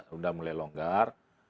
sudah mulai longgar